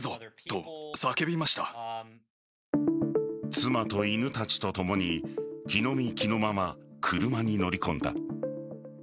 妻と犬たちとともに着の身着のまま、車に乗り込んだ。